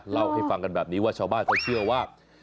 เล่าให้ฟังกันแบบนี้ว่าชาวบ้านเขาเชื่อว่า